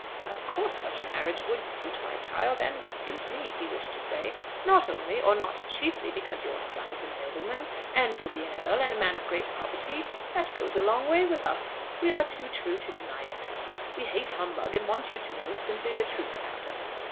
"Of course such a marriage would suit my child, and would suit me," he wished to say; "not only, or not chiefly, because your son is a nobleman, and will be an earl and a man of great property. That goes a long way with us. We are too true to deny it. We hate humbug, and want you to know simply the truth about us.